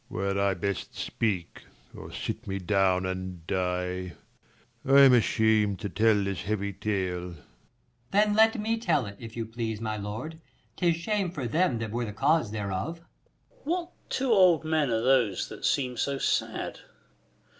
Lelr. Were I best speak, or sit me down and die ? I am asham'd to tell this heavy tale. 25 Per. Then let me tell it, if you please, my lord : 'Tis shame for them 'that were the cause thereof. Cam. What two old men are those that seem so sad